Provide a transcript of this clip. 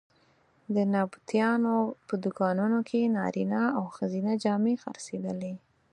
د نبطیانو په دوکانونو کې نارینه او ښځینه جامې خرڅېدلې.